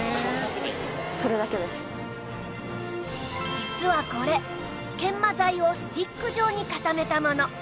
実はこれ研磨材をスティック状に固めたもの